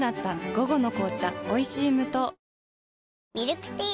午後の紅茶おいしい無糖ミルクティー